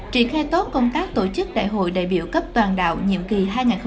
trị khai tốt công tác tổ chức đại hội đại biểu cấp toàn đạo nhiệm kỳ hai nghìn một mươi chín hai nghìn hai mươi ba